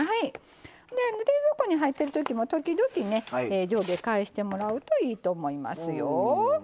冷蔵庫に入ってるときも時々、上下返してもらうといいと思います。